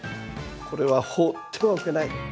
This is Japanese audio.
これは放ってはおけない。